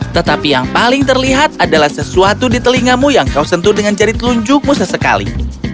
tetapi yang paling terlihat adalah sesuatu di telingamu yang kau sentuh dengan jari telunjukmu sesekali